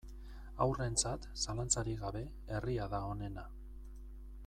Haurrentzat, zalantzarik gabe, herria da onena.